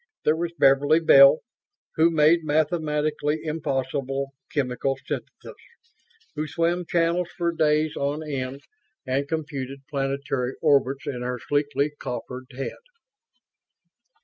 There was Beverly Bell, who made mathematically impossible chemical syntheses who swam channels for days on end and computed planetary orbits in her sleekly coiffured head.